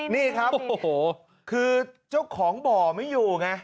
นี่ครับโอ้โหคือเจ้าของบ่อไม่อยู่ไง